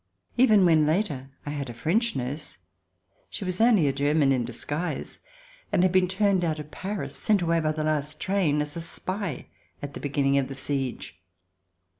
Even when, later, I had a French nurse, she was only a German in disguise, and had been turned out of Paris — sent away by the last train — as a spy, at the beginning of the siege.